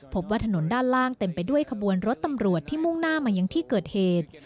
พบว่าถนนด้านล่างเต็มไปด้วยขบวนรถตำรวจที่มุ่งหน้ามายังที่เกิดเหตุ